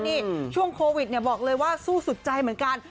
นี่ช่วงโควิดบอกเลยว่าสู้สุดใจเหมือนกัน